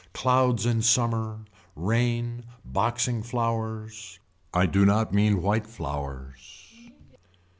Clouds in summer. Rain. Boxing flowers. I do not mean white flowers.